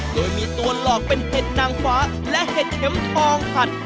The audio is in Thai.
โดยมีตัวหลอกเป็นเห็ดนางฟ้าและเห็ดเข็มทองผัด